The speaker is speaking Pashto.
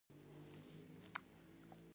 خو ځنګلي پیلوټان اوس هم مهم رول لوبوي